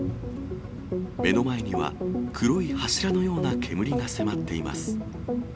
目の前には、黒い柱のような煙が迫っています。